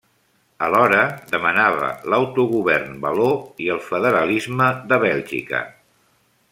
Alhora, demanava l'autogovern való i el federalisme de Bèlgica.